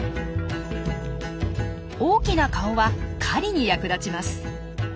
大きな顔は狩りに役立ちます。